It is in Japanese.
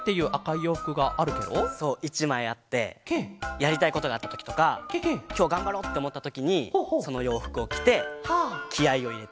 やりたいことがあったときとかきょうがんばろうっておもったときにそのようふくをきてきあいをいれてる。